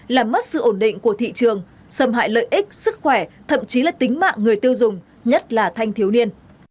làm mất sự ổn định của thị trường xâm hại lợi ích sức khỏe thậm chí là tính mạng người tiêu dùng nhất là thanh thiếu niên